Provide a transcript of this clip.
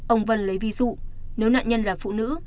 ông vân lấy ví dụ nếu nạn nhân là phụ nữ